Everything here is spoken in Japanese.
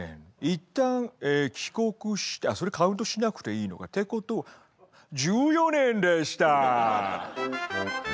いったん帰国してあっそれカウントしなくていいのか。ってことは１４年でした！